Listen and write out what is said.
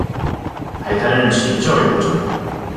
还担任其教育部长。